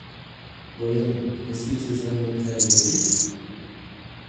Voyons, est-ce qu’il se serait montré agressif ?